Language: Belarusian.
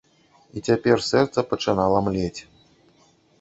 І цяпер сэрца пачынала млець.